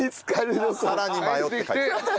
さらに迷って帰ってきた。